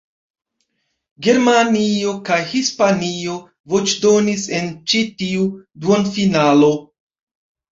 Germanio kaj Hispanio voĉdonis en ĉi tiu duonfinalo.